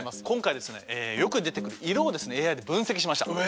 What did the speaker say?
今回ですねよく出てくる色をＡＩで分析しました。